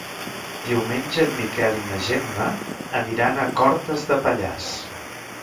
Diumenge en Miquel i na Gemma aniran a Cortes de Pallars.